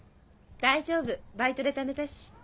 大丈夫バイトで貯めたし。